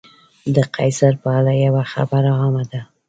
د قیصر په اړه یوه خبره عامه ده.